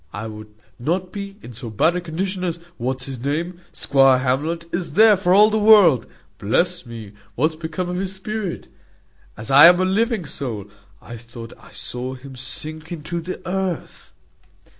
I would not be in so bad a condition as what's his name, squire Hamlet, is there, for all the world. Bless me! what's become of the spirit? As I am a living soul, I thought I saw him sink into the earth."